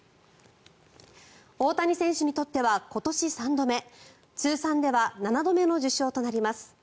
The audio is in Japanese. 大谷選手にとっては今年３度目通算では７度目の受賞となります。